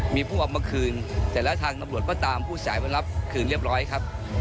มีผู้เอามาคืนแต่ละทางตำรวจก็ตามผู้สายมารับคืนเรียบร้อยครับ